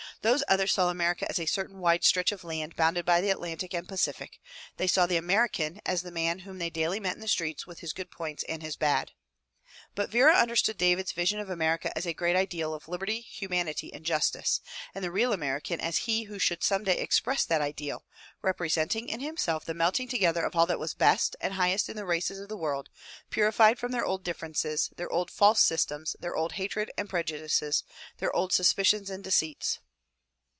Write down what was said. Those others saw America as a certain wide stretch of land bounded by the Atlantic and Pacific; they saw the American as the man whom they daily met in the streets with his good points and his bad. 189 MY BOOK HOUSE But Vera understood David's vision of America as a great ideal of liberty, humanity, and justice, and the real American as he who should some day express that ideal, representing in himself the melting together of all that was best and highest in the races of the world, purified from their old differences, their old false systems, their old hatreds and prejudices, their old suspicions and deceits.